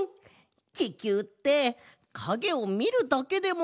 ききゅうってかげをみるだけでものりたくなるね。